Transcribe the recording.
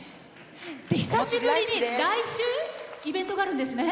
久しぶりに来週イベントがあるんですね。